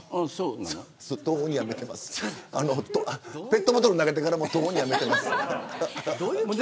ペットボトル投げてからとうに辞めてます。